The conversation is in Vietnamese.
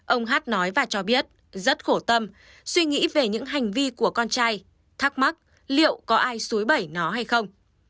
ông hát nói và cho biết rất khổ tâm suy nghĩ về những hành vi của con trai thắc mắc liệu có ai suối bẩy nó hay không